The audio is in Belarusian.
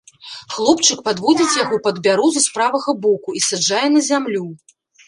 Хлопчык падводзіць яго пад бярозу з правага боку і саджае на зямлю.